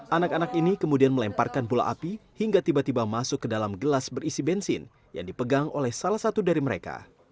anak anak ini kemudian melemparkan bola api hingga tiba tiba masuk ke dalam gelas berisi bensin yang dipegang oleh salah satu dari mereka